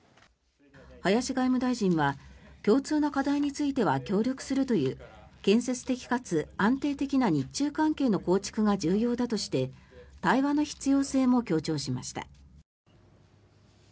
林外務大臣は共通の課題については協力するという建設的かつ安定的な日中関係の構築が重要だとして対話の必要性も強調しました。